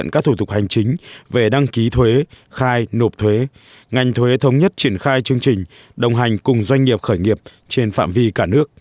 các thủ tục hành chính về đăng ký thuế khai nộp thuế ngành thuế thống nhất triển khai chương trình đồng hành cùng doanh nghiệp khởi nghiệp trên phạm vi cả nước